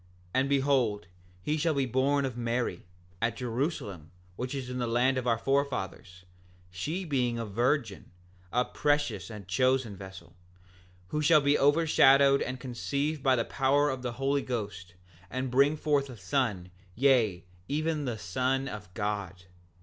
7:10 And behold, he shall be born of Mary, at Jerusalem which is the land of our forefathers, she being a virgin, a precious and chosen vessel, who shall be overshadowed and conceive by the power of the Holy Ghost, and bring forth a son, yea, even the Son of God.